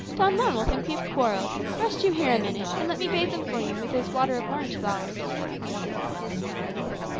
Don Juan will think we have quarrelled. Rest you here a minute, and let me bathe them for you with this water of orange flowers."